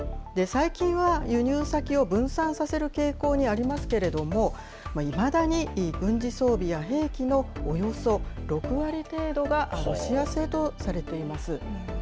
最近は、輸入先を分散させる傾向にありますけれども、いまだに軍事装備や兵器のおよそ６割程度が、ロシア製とされています。